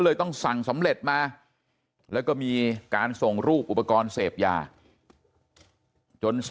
ต้องสั่งสำเร็จมาแล้วก็มีการส่งรูปอุปกรณ์เสพยาจน